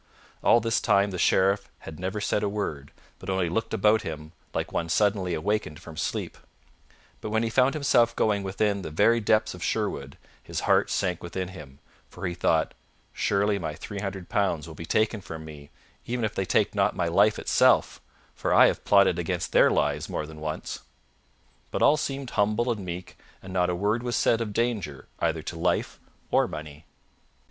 All this time the Sheriff said never a word but only looked about him like one suddenly awakened from sleep; but when he found himself going within the very depths of Sherwood his heart sank within him, for he thought, "Surely my three hundred pounds will be taken from me, even if they take not my life itself, for I have plotted against their lives more than once." But all seemed humble and meek and not a word was said of danger, either to life or money.